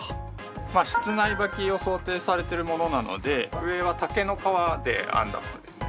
まあ室内履きを想定されてるものなので上は竹の皮で編んだものですね。